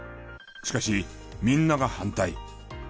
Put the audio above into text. しかしみんなが反対。